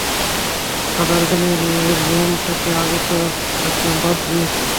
Father Brannen, Rome থেকে আগত একজন পাদ্রী।